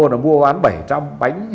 nó mua bán bảy trăm bánh